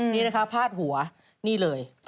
นี่นะคะพาดหัวนี่เลย